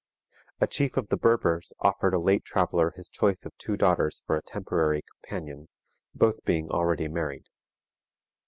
A chief of the Berbers offered a late traveler his choice of two daughters for a temporary companion, both being already married.